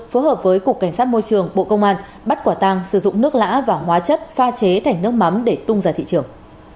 phối hợp với cục cảnh sát môi trường bộ công an bắt quả tàng sử dụng nước lã và hóa chất pha chế thành nước mắm để tung ra thị trường